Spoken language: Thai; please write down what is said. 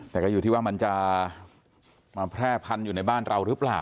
แต่ก็อยู่ที่ว่ามันจะมาแพร่พันธุ์อยู่ในบ้านเราหรือเปล่า